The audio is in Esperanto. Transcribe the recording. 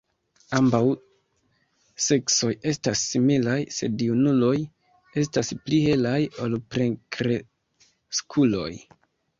Ambaŭ seksoj estas similaj, sed junuloj estas pli helaj ol plenkreskuloj.